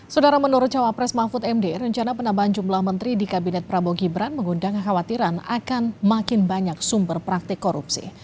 saudara menurut cawapres mahfud md rencana penambahan jumlah menteri di kabinet prabowo gibran mengundang kekhawatiran akan makin banyak sumber praktik korupsi